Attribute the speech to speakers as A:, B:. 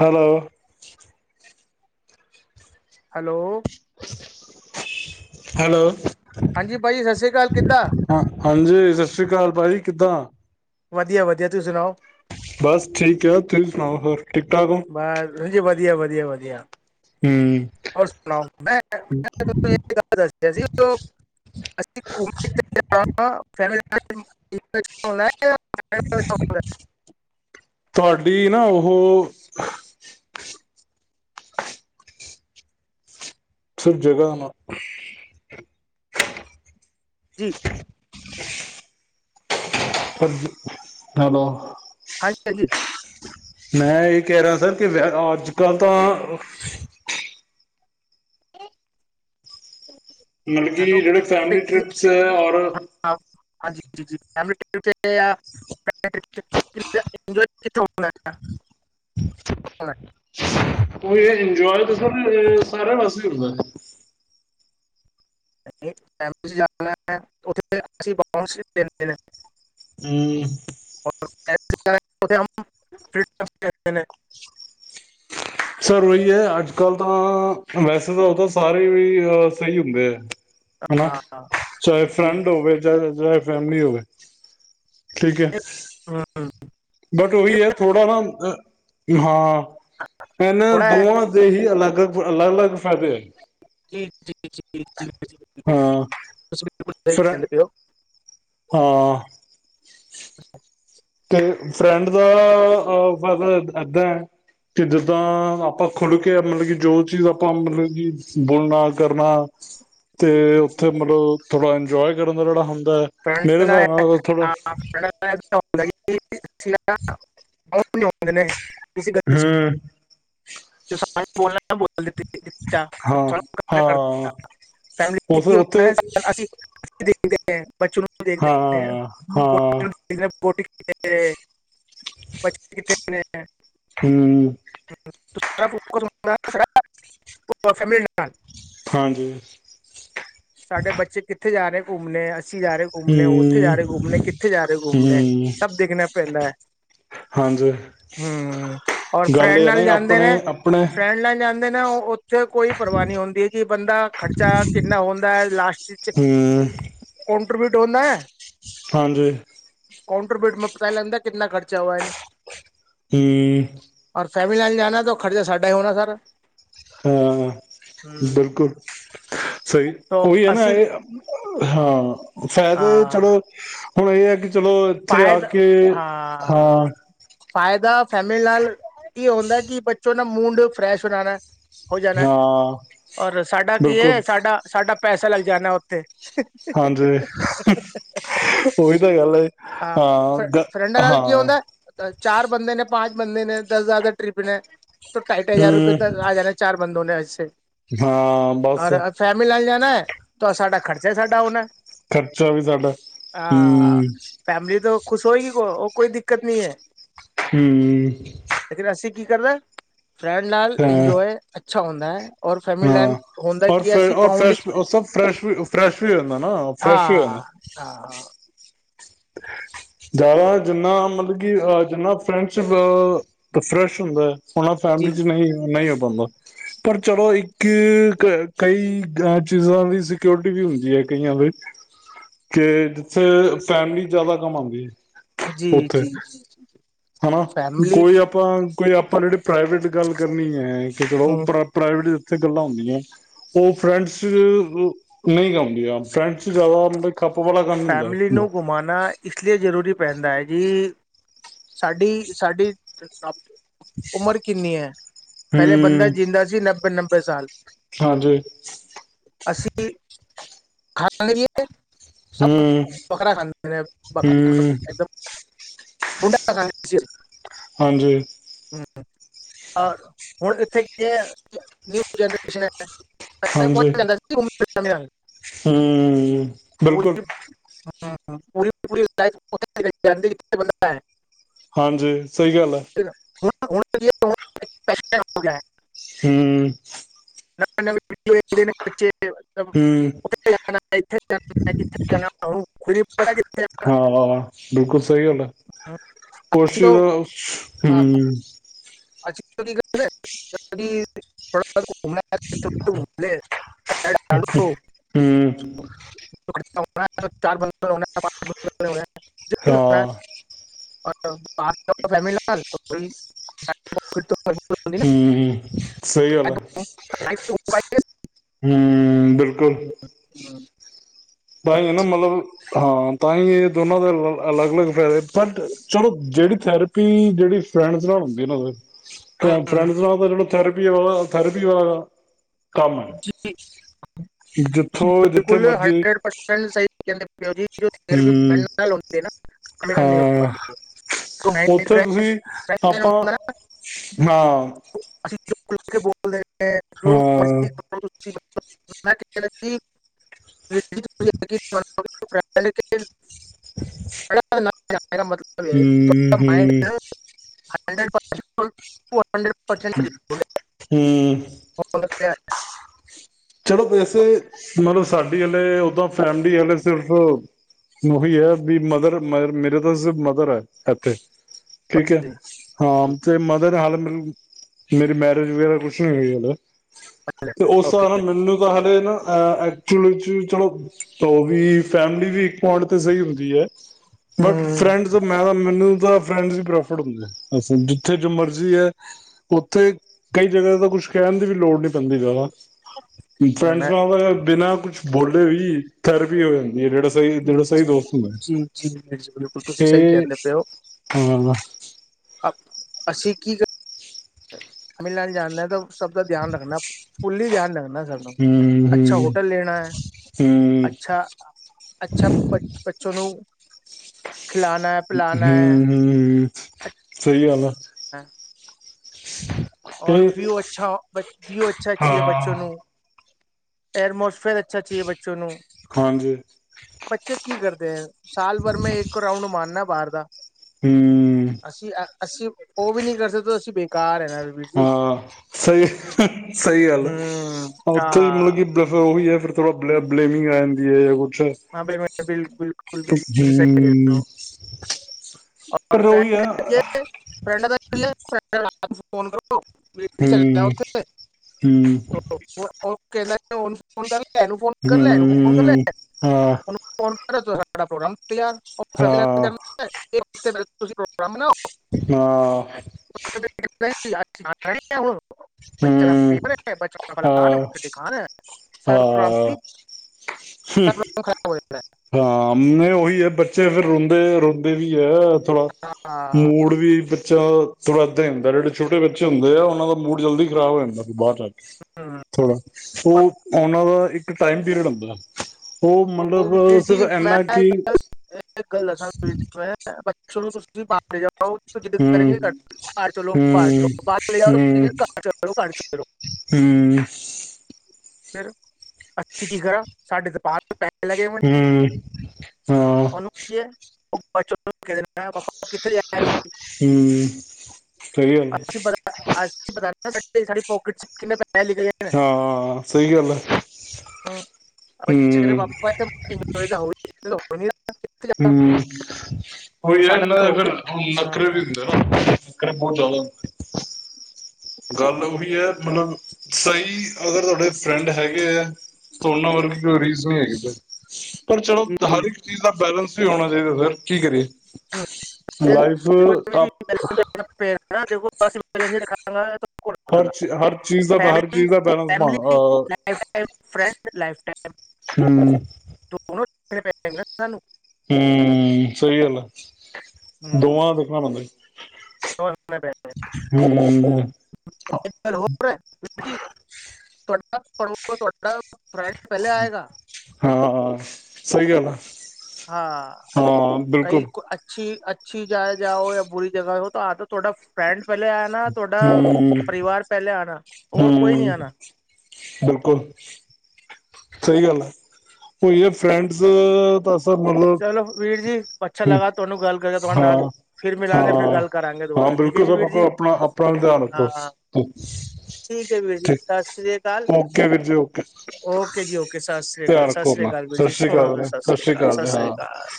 A: Hello.
B: Hello?
A: Hello.
B: ਹਾਂਜੀ ਭਾਜੀ ਸਤਿ ਸ੍ਰੀ ਅਕਾਲ ਕਿੱਦਾਂ
A: ਹਾਂ, ਹਾਂਜੀ ਸਤਿ ਸ੍ਰੀ ਅਕਾਲ ਭਾਜੀ। ਕਿੱਦਾਂ?
B: ਵਧੀਆ ਵਧੀਆ, ਤੁੂੰ ਸੁਣਾਓ।
A: ਬਸ ਠੀਕ ਹੈ। ਤੁਸੀਂ ਸੁਣਾਓ ਹੋਰ? ਠੀਕ ਠਾਕ ਹੋ
B: ਬੱਸ। ਹਜੀ ਬੱਸ ਵਧੀਆ, ਵਧੀਆ ਵਧੀਆ।
A: ਹੂੰ
B: ਹੋਰ ਸੁਣਾਓ? ਮੈਂ ਮੈਂ, ਇਹ [unintelligible] [unintelligible] [unintelligible] [unintelligible]
A: ਤੁਹਾਡੀ ਨਾ ਉਹ [unintelligible] ਨੂੰ
B: ਠੀਕ
A: ਹਾਂਜੀ ਹੈਲੋ
B: ਹਾਂਜੀ ਹਾਂਜੀ
A: ਮੈਂ ਇਹੀ ਕਹਿ ਰਿਹਾ ਸਰ ਕਿ ਅੱਜ ਕੱਲ੍ਹ ਤਾਂ ਮਤਲਬ ਕਿ
B: ਮੈਂ ਤਾਂ
A: ਜਿਹੜੇ
B: ਪਿਕ
A: ਫੈਮਿਲੀ
B: ਪਿਕ
A: ਟ੍ਰਿਪਸ ਹੈ ਔਰ
B: ਆਪ ਹਾਂਜੀ [unintelligible]
A: ਇੰਜੋਏ ਤਾਂ ਸਰ ਸਾਰਾ ਵਾਸਤੇ ਹੁੰਦਾ
B: [unintelligible]
A: ਹੂੰ
B: [unintelligible]
A: ਸਰ ਵਹੀ ਹੈ ਅੱਜ ਕੱਲ੍ਹ ਤਾਂ ਵੈਸੇ ਤਾਂ ਉਹ ਤਾਂ ਸਾਰੇ ਵੀ ਸਹੀ ਹੁੰਦੇ ਹੈ ਹਨਾ
B: ਹਾਂ
A: ਚਾਹੇ
B: ਜੀ
A: ਫਰੰਡ ਹੋਵੇ ਚਾਹ ਚਾਹੇ ਫੈਮਲੀ ਹੋਵੇ ਠੀਕ ਐ ਬਟ ਉਹੀ ਹੈ ਥੋੜਾ ਨਾ ਅ ਹਾਂ ਇਹਨਾਂ
B: ਥੋੜਾ
A: ਦੋਵਾਂ ਦੇ ਹੀ ਅਲੱਗ ਅਲੱਗ ਅਲੱਗ ਫ਼ਾਇਦੇ ਹਨ
B: ਜੀ ਜੀ ਜੀ ਤੁਸੀਂ
A: ਹਾਂ
B: ਬਿਲਕੁਲ ਸਹੀ
A: ਫਿਰ
B: ਕਹਿੰਦੇ ਪਏ ਹੋ
A: ਹਾਂ ਤੇ ਫਰੈਂਡ ਦਾ ਫਾਇਦਾ ਏਦਾਂ ਹੈ ਕਿ ਜਿੱਦਾਂ ਆਪਾਂ ਖੁੱਲ ਕੇ ਮਤਲਬ ਕਿ ਜੋ ਚੀਜ਼ ਆਪਾਂ ਮਤਲਬ ਕਿ ਬੋਲਣਾ ਕਰਨਾ ਤੇ ਉੱਥੇ ਮਤਲਬ ਥੋੜਾ ਇੰਜੋਏ ਕਰਨ ਦਾ ਜਿਹੜਾ ਮੇਰੇ ਹਿਸਾਬ ਨਾਲ ਥੋੜਾ
B: ਠੀ [unintelligible] [unintelligible] ਕਿਸਸੀ ਗਲਜ
A: ਹਮ
B: [unintelligible] ਬੋਲਣਾ
A: ਹਾਂ ਹਾਂ ਉਸ ਉੱਥੇ
B: [unintelligible] ਕਿ
A: ਹਾਂ ਹਾਂ
B: [unintelligible] ਕਿੱਥੇ ਨੇ
A: ਹੂੰ
B: [unintelligible] ਨਾਲ
A: ਹਾਂਜੀ
B: ਸਾਡੇ ਬੱਚੇ ਕਿੱਥੇ ਜਾ ਰਹੇ [unintelligible] ਅਸੀਂ ਜਾ ਰਹੇ ਘੁੰਮਣੇ ਉੱਥੇ ਜਾ ਰਹੇ
A: ਹੂੰ
B: ਘੁੰਮਣੇ ਕਿੱਥੇ ਜਾ ਰਹੇ ਘੁੰਮਣੇ
A: ਹੂੰ
B: ਸਭ ਦੇਖਣਾ ਪੈਂਦਾ ਹੈ
A: ਹਾਂਜੀ
B: ਹਮ ਔਰ
A: ਗੱਲ
B: ਫਰੈਂਡ
A: ਇਹ ਹੈ ਨਾ
B: ਨਾਲ ਜਾਂਦੇ
A: ਆਪਣੇ
B: ਨੇ
A: ਆਪਣੇ
B: ਫਰੈਂਡ ਨਾਲ ਜਾਂਦੇ ਨੇ ਉਹ ਉਹੱ [unintelligible] ਔਥੇ ਕੋਈ ਪਰਵਾਹ ਨਹੀਂ ਹੁੰਦੀ ਹੈ ਕਿ ਬੰਦਾ ਖਰਚਾ ਕਿੰਨਾ ਹੋ ਲਾਸਟ ਚ
A: ਹੂੰ
B: ਊਟ ਹੁੰਦਾ [unintelligible]
A: ਹਾਂਜੀ
B: ਕਾਂਟਰ ਬਿਊਟ ਮੈਂ ਪ ਪਹਿਲੇ ਅੰਦਰ ਕਿਤਨਾ ਖਰਚਾ ਹੋਇਆ।
A: ਹੂੰ
B: ਫੈਮਿਲੀ ਨਾਲ ਜਾਣਾ ਤਾਂ ਉਹ ਖਰਚਾ ਸਾਡਾ ਹੀ ਹੋਣਾ ਸਾਰਾ।
A: ਹਾਂ
B: ਹਮ
A: ਬਿਲਕੁਲ ਸਹੀ
B: ਤੋ
A: ਉਹੀ ਹੈ ਨਾ
B: ਅਸੀਂ
A: ਇਹ ਹਾਂ ਫਾਇਦੇ
B: ਹਾਂ
A: ਚਲੋ ਹੁਣ ਇਹ ਹੈ ਕਿ ਚਲੋ ਇੱਥੇ ਆ
B: ਫਾਇਦਾ
A: ਕੇ ਹਾਂ
B: ਫ਼ਾਇਦਾ ਫੈਮਿਲ ਨਾਲ ਕੀ ਹੁੰਂਦਾ ਕਿ ਬੱਚੋਂ ਮੂਂਡ ਫਰੈਸ਼ ਹੋ ਜਾਨਾ ਹੈ। ਹੋ ਜਾਣਾ ਹੇ।
A: ਹਾਂ
B: ਔਰ ਸਾਡਾ ਕੀ ਹੈ
A: ਬਿਲਕੁਲ
B: ਸਾਡਾ ਸਾਡਾ ਪੈਸਾ ਲੱਗ ਜਾਣਾ ਉੱਥੇ।
A: ਹਾਂਜੀ ਉਹੀ ਤਾਂ ਗੱਲ ਹੇ।
B: ਫ
A: ਹਾਂ ਗ
B: ਫਰੈਂਡਾਂ ਨਾਲ ਕੀ
A: ਹਾਂ
B: ਹੁੰਦਾ ਚਾਰ ਬੰਦੇ ਨੇ, ਪਾੰਚ ਬੰਦੇ ਨੇ, ਦਸ ਹਜਾਰ ਟ੍ਰਿਪ ਨੇ, ਢਾਈ ਢਾਈ ਹਜ਼ਾਰ ਰੁਪਏ ਤੱਕ
A: ਹੂੰ
B: ਆ ਜਾਣਾ ਚਾਰ ਬੰਦੋ ਨੇ ਛ
A: ਹਾਂ ਬਸ
B: ਔਰ ਫੈਮਲੀ ਨਾਲ ਜਾਣਾ ਹੈ। ਤਾਂ ਸਾਡਾ ਖਰਚਾ ਸਾਡਾ ਹੋਣਾ ਹੈ।
A: ਖ਼ਰਚਾ ਵੀ ਸਾਡਾ। ਹੂੰ
B: ਫੈਮਲੀ ਤੋਂ ਖੁਸ਼ ਹੋਏਗੀ ਉਹ ਕੋਈ ਦਿੱਕਤ ਨਹੀਂ ਹੈ,
A: ਹੂੰ
B: ਕੀ ਕਰਨਾ ਹੇ। ਫਰੈਂਡ ਨਾਲ
A: ਹਾਂ
B: ਇੰਜੋਏ ਅੱਛਾ ਹੁੰਦਾ ਹੈ। ਔਰ ਫੈਮਿਲੀ ਲੈਨ
A: ਹਾਂ।
B: ਹੁੰਦਾ
A: ਔਰ
B: ਕੀ
A: ਫੇਰ
B: ਅਸੀਂ
A: ਔ
B: ਬਾਊਂਡ
A: ਫਰੈ
B: ਵਿੱਚ।
A: ਸਭ ਫਰੈਸ਼- ਫਰੈਸ਼ ਵੀ ਹੋ ਜਾਂਦਾ। ਨਾ
B: ਹਾਂ
A: ਫਰੈਸ਼ ਵੀ ਹੋ ਜਾਂਦਾ।
B: ਹਾਂ ਹਾਂ
A: ਜ਼ਿਆਦਾ ਜਿੰਨਾ ਮਤਲਬ ਕਿ ਅ ਜਿੰਨਾ, ਫਰੈਂਸ਼ਿਪ ਅ ਫਰੈਸ਼ ਹੁੰਦਾ ਹੈ। ਹੁਣ
B: ਜੀ
A: ਫੈਮਿਲੀ ਚ ਨਹੀਂ, ਨਹੀਂ। ਬੰਦਾ ਪਰ ਚਲੋ, ਇੱਕ ਕਈ ਚੀਜ਼ਾਂ ਦੀ ਸਿਓਰਟੀ ਵੀ ਹੁੰਦੀ ਹੈ। ਕਈਆਂ ਦੇ ਕਿ ਜਿੱਥੇ ਫੈਮਲੀ ਜਿਆਦਾ ਕਮਾਉਂਦੀ। ਹਮ
B: ਜੀ
A: [unintelligible] ਉੱਥੇ
B: ਜੀ ਜੀ
A: ਹਨਾ।
B: ਫੈਮਲੀ
A: ਕੋਈ ਆਪਾਂ ਕੋਈ ਆਪਾਂ ਜਿਹੜੇ ਪ੍ਰਾਈਵੇਟ ਗੱਲ ਕਰਨੀ ਹੈ। ਕਿ ਚਲੋ
B: ਹੂੰ,
A: ਪ੍ਰਾਈਵੇਟ ਗੱਲਾਂ ਹੁੰਦੀਆਂ। ਉਹ ਫਰੈਂਡ ਚ ਨਹੀਂ ਗ ਆਉਂਦੀਆਂ। ਫਰੈਂਡ ਚ ਜ਼ਿਆਦਾ ਮਤਲਬ ਖੱਪ ਵਾਲਾ ਕੰਮ ਹੁੰਦਾ
B: ਫੈਮਲੀ ਨੂੰ ਘੁਮਾਉਣਾ ਇਸ ਲਈ ਜ਼ਰੂਰੀ ਪੈਂਦਾ ਹੈ। ਜੀ, ਸਾਡੀ- ਸਾਡੀ ਉਮਰ ਕਿੰਨੀ ਹੈ। ਪਹਿਲੇ ਬੰਦਾ
A: ਹਮ
B: ਜੀਂਦਾ ਸੀ। ਨਬੇ- ਨਬੇ ਨਾਬੇ ਸਾਲ
A: ਹਾਂਜੀ।
B: ਖਾ ਲਈਏ। ਸਭ
A: ਹਮ
B: ਬੱਖਰਾ ਖਾਂਦੇ ਨੇ ਬਰਾ
A: ਹਮ
B: ਮੁੰਡਾ ਸੀ।
A: ਹਾਂਜੀ।
B: ਹਮ ਹੁਣ, ਇੱਥੇ ਕੀ ਹੈ। ਨਿਊ ਜਨਰੇਦਾ ਸੀ
A: ਹਾਂਜੀ
B: [unintelligible] ਗੇ [unintelligible]
A: ਹਮ, ਬਿਲਕੁਲ
B: ਹਮ ਪੂਰੀ ਪੂਰੀੇ ਬੰਦਾ ਹੈ [unintelligible]
A: ਹਾਂਜੀ। ਸਹੀ ਗੱਲ ਹੈ।
B: ਹੁਣ, ਹੁਣ ਹੋ ਗਿਆ।
A: ਹਮ
B: ਨਵੇਂ- ਨਵੇਂ ਪਦੇ ਨੇ ਬੱਚੇ
A: ਹਮ
B: ਜਾਥੇ ਜਾਥੇ ਜਾ [unintelligible] ਖੁਰੀ [inaudible]
A: ਹਾਂ। ਬਿਲਕੁਲ ਸਹੀ ਗੱਲ ਆ। ਕੁਝ
B: ਅਸੀਂ ਤਾਂ
A: ਹਮ
B: ਅੋਾਹੁ [unintelligible] ਪੈਰ
A: ਹਮ
B: ਚਾਰ ਬੰ [unintelligible] ਜ਼ਰੂਰ
A: ਹਾਂ
B: ਫਹਿਮੀ ਲਾਲ ਕੋਈ [unintelligible]
A: ਹਮ, ਸਹੀ ਗੱਲ ਆ, ਹਮ ਬਿਲਕੁਲ। ਭਾਈ ਨਾ, ਮਤਲਬ ਹਾਂ ਤਾਂ ਈ ਇਹ ਦੋਨਾਂ ਦਾ ਅਲੱਗ-ਅਲੱਗ ਫੈਦੇ, ਬਟ ਚਲੋ ਜੇੜੀ ਥੈਰੇਪੀ ਜੇੜੀ ਫ੍ਰੈਂਡਸ ਨਾਲ ਹੁੰਦੀ ਐ ਫੇ ਫ੍ਰੈ ਫੈ੍ਂਡਸ ਨਾਲੋ ਤੇ ਜੇੜਾ ਥੈਰੇਪੀ ਆਲਾ [unintelligible] ਕੰਮ,
B: ਤੁਸੀਂ
A: ਜਿੱਥੋਂ ਜਿੱਥੇ
B: ਬਿਲਕੁਲ
A: ਮਰਜ਼ੀ। ਹੂੰ
B: [inaudible] ਹੈਂਡ
A: ਓੱਥੇ
B: ਫਰੈਸ਼
A: ਤੁਸੀਂ,
B: ਫਰੈਸ਼
A: ਅੱਪਾ,
B: ਹੁੰਦਾ ਨਾ
A: ਹਾਂ
B: [inaudible]
A: ਹਾਂ
B: [inaudible] [inaudible] [inaudible] [inaudible] [inaudible] [inaudible] ਮੇਰਾ ਮਤਲਬ ਏ
A: ਹੂੰ ਹੂੰ
B: [inaudible] [inaudible]
A: ਹੂੰ।
B: [unintelligible]
A: ਚਰੋ ਵੈਸੇ ਮਲਬ ਸਾਡੇ ਆਲੇ ਉਦਾਂ ਫੈਮਿਲੀ ਆਲੇ ਸਿਰਫ ਓਹੀ ਹੈ ਵੀ ਮਦਰ ਮ ਮੇਰੇ ਤਾਂ ਸਿਰਫ ਮਦਰ ਹੈ ਐੱਥੇ।
B: ਔਰ
A: ਠੀਕ ਐ,
B: ਜੀ
A: ਹਾਂ
B: ਜੀ
A: ਤੇ ਮਦਰ ਹਾਲ ਮ ਮੇਰੀ ਮੈਰਿਜ ਵਗੈਰਾ ਕੁਛ ਨੀ ਹੋਈ ਹਲੇ।
B: [inaudible] ਓਕੇ
A: ਮੈਨੂੰ ਤਾਂ ਹੱਲੇ ਨਾ [unintelligible] ਚਲੋ, ਓ ਵੀ ਫੈਮਿਲੀ ਵੀ ਇੱਕ ਪੋਇੰਟ ਤੇ ਸਈ ਹੁੰਦੀ ਐ। ਬਟ
B: ਹਮ
A: ਫਰੈਂਡਸ ਮੈ ਤਾਂ ਮੈਨੂੰ ਦਾ ਫਰੈਂਡਸ ਈ ਪ੍ਰੈਫਟ ਹੁੰਦੇ, ਜਿੱਥੇ ਜੋ ਮਰਜੀ ਐ ਉੱਥੇ ਕਈ ਜਗਾ ਤਾਂ ਕੁਛ ਕੈਣ ਦੀ ਵੀ ਲੋੜ ਨੀ ਪੈਂਦੀ ਜਾਦਾ। ਫਰੈਂਡਸ
B: ਮੈਂ
A: ਨਾਲ ਤਾ ਬਿਨਾ ਕੁਛ ਬੋਲੇ ਵੀ ਥੈਰੇਪੀ ਹੋ ਹੈ ਜਿਹੜਾ ਸਹੀ
B: ਜੀ,
A: ਜਿਹੜਾ ਸਹੀ ਦੋਸਤ ਹੁੰਦਾ
B: ਜੀ, ਜੀ, ਬਿਲਕੁਲ, ਤੁਸੀਂ ਸਹੀ
A: ਤੇ
B: ਕਹਿੰਦੇ ਪਏ ਹੋ।
A: ਹਾਂ ਹਮ
B: ਅਸੀਂ ਕੀ ਕਰ ਤਾਮਿਲਨਾਡੂ ਜਾਣਦਾ, ਤਾਂ ਸਭ ਦਾ ਧਿਆਨ ਰੱਖਣਾ ਫੁੱਲੀ ਧਿਆਨ ਰੱਖਣਾ। ਅੱਛਾ,
A: ਹਮ
B: ਹੋਟਲ ਲੈਣਾ ਹੈ,
A: ਹਮ
B: ਅੱਛਾ-ਅੱਛਾ ਬੱਚੋਂ ਨੂੰ ਖਿਲਾਣਾ ਹੈ ਪਿਲਾਣਾ
A: ਹੂੰ। ਸਹੀ ਗੱਲ ਆ।
B: ਹਾਂ।
A: ਤੇ
B: ਰ ਵਿਊ ਅੱਛਾ, ਵਿਊ ਅੱਛਾ ਚਾਹੀਏ ਹੈ, ਬੱਚੋ
A: ਹਾਂ।
B: ਨੂੰ ਏਅਰ ਮੋਡਸ ਫੇਰ ਅੱਛਾ ਚਾਹੀਏ, ਬੱਚੇ ਨੂੰ
A: ਹਾਂਜੀ
B: ਬੱਚੇ ਕੀ ਕਰਦੇ ਹੈ ਸਾਲ ਭਰ ਮੈਂ ਇੱਕ ਰਾਊਂਡ ਮਾਰਨਾ ਬਾਹਰ [unintelligible]
A: ਹੂੰ
B: ਅਸੀਂ-ਅਸੀਂ, ਉਹ ਵੀ ਨਹੀਂ ਕਰ ਸਕਦੇ ਅਸੀਂ ਕਾਰ ਏ
A: ਹਾਂ, ਸਹੀ, ਸਹੀ ਗੱਲ
B: ਹਮ
A: ਉੱਥੇ ਹੀ
B: ਹਾਂ
A: ਮਤਲਬ ਕਿ ਉਹੀ ਹੈ ਫਿਰ ਬਲੇਮਿੰਗ ਆ ਜਾਂਂਦੀ ਹੈ।
B: [unintelligible]
A: ਹੂੰ ਪਰ ਉਹੀ ਆ
B: ਤੁੂੰ ਫੋਨ ਕਰੋ। ਵੀ ਜੀ ਚੱਲਿਆ
A: ਹੂੰ-ਹੂੰ।
B: ਉੱਥੇ ਤੋ [unintelligible] ਫੋਨ ਕਰ ਐਹ ਨੂੰ ਫੋਨ ਕਰ ਲੈ, ਐਨੁੰ ਫੋਨ ਕਰਲਾ।
A: ਹੂੰ।
B: ਕਰ ਤੁ ਸਾਡਾ ਪ੍ਰੋਗਰਾਮ।
A: ਹਾਂ
B: [unintelligible] ਤੁਸੀਂ ਪ੍ਰੋਗਰਾਮ ਬਣਾਓ।
A: ਹਾਂ।
B: ਤੇ ਫਿਰ ਨਹੀਂ [unintelligible] ਬੱਚ
A: ਹੂੰ
B: ਪ ਬੱਚ ਫਲਾਨ
A: ਹਾਂ
B: ਚ [unintelligible] ਸ
A: ਹਾਂ
B: ਖਰਾਬ ਹੋ [unintelligible]
A: ਹਾਂ, ਉਹੀ ਹੈ ਬੱਚੇ ਫੇਰ ਰੋਂਦੇ-ਰੋਂਦੇ ਵੀ ਏ ਥੋੜ੍ਹਾ
B: ਹੈ। ਹਾਂ
A: ਮੂਡ ਵੀ ਬੱਚ ਥੋੜਾ ਹੁੰਦਾ, ਜਿਹੜੇ ਛੋਟੇ ਬੱਚੇ ਹੁੰਦੇ ਆ ਉਹਨਾਂ ਦਾ ਮੂਡ ਜਲਦੀ ਖਰਾਬ ਹੋ ਜਾਂਦਾ ਬਾਹਰ ਜਾ
B: ਹਮ,
A: ਥੋੜਾ
B: ਪਰ
A: ਉਹ ਉਹਨਾਂ ਦਾ ਇੱਕ ਟਾਈਮ ਪੀਰੀਅਡ ਹੁੰਦਾ। ਉਹ ਮਤਲਬ
B: ਜੀ
A: ਸਿਰਫ
B: ਮੈਂ
A: ਇਨਾ ਕਿ
B: ਗੱਲ ਦ ਬੱਚੇ ਨੂੰ ਤੁਸੀਂ ਵੀ ਪਾਪੜ ਜਾ [unintelligible] ਜਿੱਦ ਕਰੇ
A: ਹਮ
B: ਘ ਬਾਹਰ ਚਲੋ ਬਾਹਰ ਚਲੋ
A: ਹਮ
B: ਬਾਹਰ ਚਲੇ ਜਾਓ
A: ਹਮ
B: ਘਰ ਚਲੋ ਘਰ ਚਲੋ
A: ਹਮ
B: [unintelligible] ਫਿਰ ਅਸੀਂ ਕੀ ਕਰਾਂ ਸਾਡੇ ਤਾਂ ਬਾਹਰ ਪੈਸੇ ਲੱਗੇ ਹੋਏ ਨੇ
A: ਹਮ ਹਾਂ
B: ਉਹਨੂੰ ਕਿ ਹੈ ੱਚ [unintelligible] ਕਿੱਥੇ ਜਾ ਤੁਸੀਂ
A: ਹਮ ਸਹੀ ਗੱਲ
B: ਸਾ ਸਾਡੀ ਪੋਕਟ ਚ ਕਿੰੇ ਪ [unintelligible]
A: ਹਾਂ ਸਹੀ ਗੱਲ ਹੈ
B: ਹਮ, ਬੱਚੇ
A: ਹਮ
B: ਪਨੀਰ
A: ਹਮ
B: ਤਾਂ
A: ਉਹੀ ਹੈ
B: ਸਾਡਾ
A: ਇਹਨਾਂ
B: ਤਾਂ
A: ਦਾ
B: ਹੋ ਗਿਆ
A: ਫਿਰ ਹੁਣ
B: ਹਾਂ
A: ਨੱਖਰੇ ਵੀ ਹੁੰਦੇ ਨਾ ਬਹੁਤ ਜਿਆਦਾ ਗੱਲ ਉਹੀ ਹੈ ਮਤਲਬ ਸਹੀ ਅਗਰ ਤੁਹਾਡੇ ਫਰੈਂਡ ਹੈਗੇ ਹੈ ਤੇ ਉਨ੍ਹਾਂ ਵਰਗੀ ਕੋਈ ਰੀਜ਼ ਹੈਗੀ ਪਰ ਚਲੋ
B: ਜੀ ਵੀਰ
A: ਹਰ
B: ਜੀ।
A: ਇੱਕ ਚੀਜ਼ ਦਾ ਬੈਲੈਂਸ ਆਉਣਾ ਚਾਹੀਦਾ ਸਰ ਕੀ ਕਰੀਏ
B: ਹਮ,
A: ਲਾਈਫ
B: ਬਿਲਕੁਲ ਵੀਰ ਜੀ
A: ਆਪ
B: ਬੈਲੈਂਸ ਰੱਖਣਾ ਪਏਗਾ ਨਾ ਦੇਖੋਸੀ ਪਲੇ ਰ ਖਾਗਾ
A: ਹਰ ਚ ਹਰ ਚੀਜ਼ ਦਾ ਹਰ ਚੀਜ਼ ਦਾ ਬੈਲੇੈਂਸ ਬ
B: ਫੈਮਿਲੀ ਲਾਈਫ
A: ਅਹ
B: ਟਾਈਮ ਫਰੈਂਡ ਲਾਈਫ ਟਾਈਮ
A: ਹਮ
B: ਪ ਸਾਨੂੰ
A: ਹਮ ਸਹੀ ਗਲ਼ ਏ
B: ਹੂੰ
A: ਦੋਵਾਂ ਦਾ ਦੇਖਣਾ ਬੰਦਾ ਜ ਹੂੰ
B: ਗੱਲ ਹੋਰ ਜ ਤੁਹਾਡਾ ਪੜੋ ਤੁਹਾਡਾ ਫਰੈਂਡ ਪਹਿਲੇ ਆਏਗਾ
A: ਹਾਂਾਂ ਸਹੀ ਗਲ ਆ
B: ਹਾਂ ਕਈ ਅੱਛੀ ਅ ਅੱਛੀ ਜਾਏ ਜਾਓ ਜਾਂ ਬੁਰੀ ਜਗਾ ਹੋ ਤਾਂ ਆ ਤੁਹਾਡਾ ਫਰੈਂਡ ਪਹਿਲੇ ਆਇਣਾ ਤੁਹਾਡਾ ਪਰਿਵਾਰ ਪਹਿਲੇ ਆਣਾ
A: ਹਮ ਬਿਲਕੁਲ ਸਹੀ ਗੱਲ ਹੈ ਉਹ ਇਹ ਫਰੈਂਡਸ ਤਾਂ ਸਰ ਮਤਲਬ
B: ਚਲੋ ਵੀਰ ਜੀ ਅੱਛਾ ਲੱਗਾ ਤੁਹਾਨੂੰ ਗੱਲ ਕਰ ਤੁਹਾਡੇ ਨਾਲ।
A: ਹਾਂ
B: ਫਿਰ ਮਿਲਾਂਗੇ ਫਿਰ
A: ਹਾਂ
B: ਗੱਲ ਕਰਾਂਗੇ
A: ਹਾਂ
B: ਦੁਬਾਰਾ ਠੀਕ ਹੈ
A: ਬਿਲਕੁਲ
B: ਜੀ।
A: ਸਭ
B: ਵੀਰ
A: ਕੋ
B: ਜੀ।
A: ਆਪਣਾ ਆਪਣਾ ਵੀ ਧਿਆਨ ਰੱਖੋ
B: ਹਾਂ। ਠੀਕ ਹੈ ਵੀਰ ਜੀ।
A: ਠੀਕ
B: ਸਤਿ ਸ਼੍ਰੀ ਅਕਾਲ।
A: ਓਕੇ
B: ਓਕੇ ਜੀ। ਓਕੇ। ਸਤਿ ਸ੍ਰੀ ਅਕਾਲ
A: ਤਿਆਰ
B: ਸਤਿ
A: ਰੱਖੋ
B: ਸ੍ਰੀ
A: ਆਪਣਾ।
B: ਅਕਾਲ ਵੀਰ
A: ਸਤਿ
B: ਜੀ
A: ਸ੍ਰੀ
B: ਸੋਹਣਾ
A: ਅਕਾਲ। ਵੀਰੇ। ਸਤਿ ਸ੍ਰੀ ਅਕਾਲ।
B: ਸਤਿ
A: ਜੀ
B: ਸ਼੍ਰੀ
A: ਹਾਂ
B: ਅਕਾਲ।